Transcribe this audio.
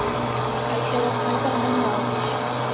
as relações harmoniosas